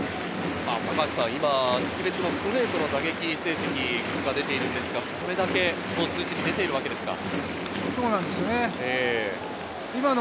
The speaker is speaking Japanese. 今、月別のストレートの打撃成績が出ているんですが、これだけ数値に出てるわけですか？